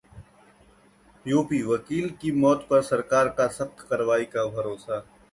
UP: वकील की मौत पर सरकार का सख्त कार्रवाई का भरोसा